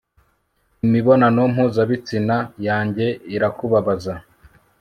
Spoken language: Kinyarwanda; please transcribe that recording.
Imibonano mpuzabitsina yanjye irakubabaza